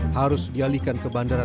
harus dialihkan ke bandara